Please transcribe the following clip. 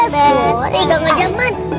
bersori gak ngajaman